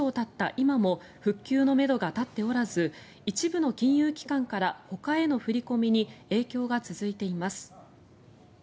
今も復旧のめどが立っておらず一部の金融機関からほかへの振り込みに影響が続いています。